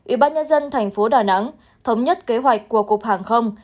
ubnd tp đà nẵng thống nhất kế hoạch của cục hàng không